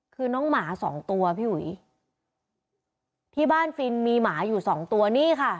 คือน้องหมาสองตัวพี่อุ๋ยที่บ้านฟินมีหมาอยู่สองตัวนี่ค่ะ